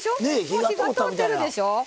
もう火が通ってるでしょ？